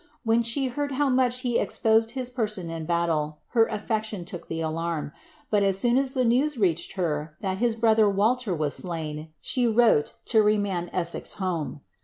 When she heard how mach he exposed his person in battle, her affection took the alarm ; but as soon as the news reached her that his brother Walter was slain, she wrote to remand Essex home.